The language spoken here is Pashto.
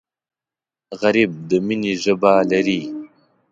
غریب د مینې ژبه لري